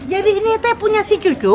jadi ini teh punya si cucu